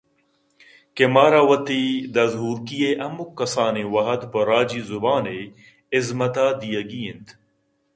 کہ مارا وتی دزھُورکی ءِ ھمُک کسانیں وھد پہ راجی زُبان ءِ ھزمت ءَ دیگی انت